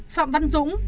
phạm văn dũng